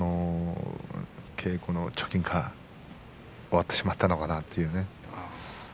稽古の貯金が終わってしまったのかなという。